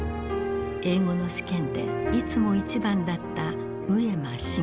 英語の試験でいつも一番だった上間繁子。